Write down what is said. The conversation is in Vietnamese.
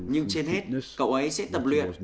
nhưng trên hết cậu ấy sẽ tập luyện